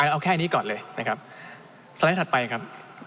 เอาแค่นี้ก่อนเลยนะครับสไลด์ถัดไปครับ